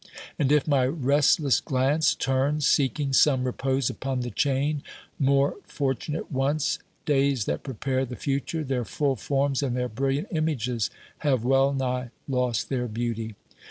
And if my restless glance turns seeking some repose upon the chain, more fortunate once, days that prepare the future, their full forms and their brilliant images have well nigh lost their beauty.